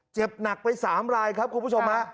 เจ็บหนักไป๓รายครับคุณผู้ชมฮะ